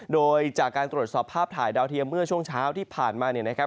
โดยจากการตรวจสอบภาพถ่ายดาวเทียมเมื่อช่วงเช้าที่ผ่านมาเนี่ยนะครับ